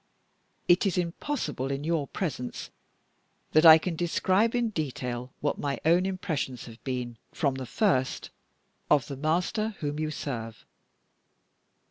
It is impossible, in your presence, that I can describe in detail what my own impressions have been, from the first, of the master whom you serve.